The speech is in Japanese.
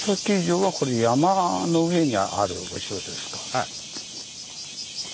はい。